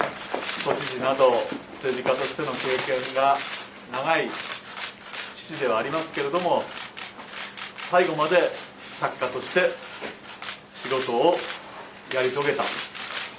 都知事など、政治家としての経験が、長い父ではありますけれども、最後まで作家として、仕事をやり遂げた。